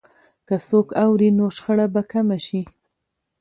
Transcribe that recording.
که څوک اوري، نو شخړه به کمه شي.